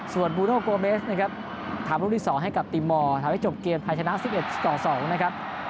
ส่วนบูโดโกเบสนะครับทำลูกที่๒ให้กับติมอร์ทำให้จบเกมไทยชนะ๑๑ต่อ๒นะครับ